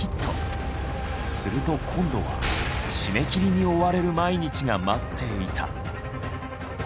すると今度は締め切りに追われる毎日が待っていた。